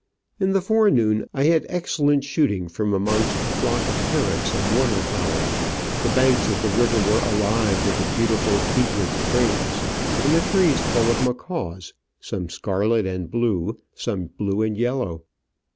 In the forenoon I had excellent shooting from amongst a flock of parrots and water fowl. The banks of the river were alive with the beautiful egret cranes, and the trees full of macaws, some scarlet and blue, some blue and yellow.